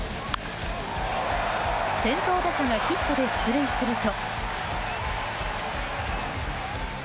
先頭打者がヒットで出塁すると。